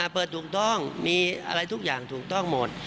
เปิดถูกต้องมีอะไรทุกอย่างถูกต้องหมด